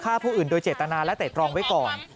ฆ่าผู้อื่นโดยเจตนาและแต่ตรองไว้ก่อน